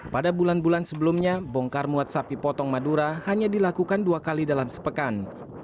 pada bulan bulan sebelumnya bongkar muat sapi potong madura hanya dilakukan dua kali dalam sepekan